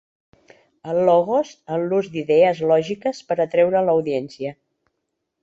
El Logos és l'ús d'idees lògiques per a atreure l'audiència.